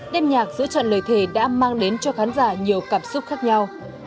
đêm nhạc giữ chọn lời thề đã mang đến cho khán giả nhiều cảm xúc khác nhau